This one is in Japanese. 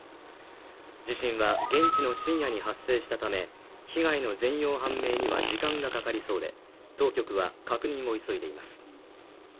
地震は現地の深夜に発生したため被害の全容判明には時間がかかりそうです。